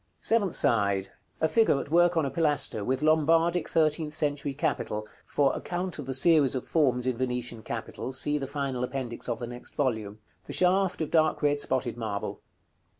Seventh side. A figure at work on a pilaster, with Lombardic thirteenth century capital (for account of the series of forms in Venetian capitals, see the final Appendix of the next volume), the shaft of dark red spotted marble.